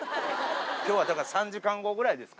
きょうはだから、３時間後ぐらいですか。